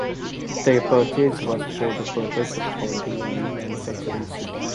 Their purchase was for the purpose of founding a new manufacturing city.